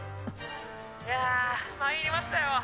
「やぁ参りましたよ。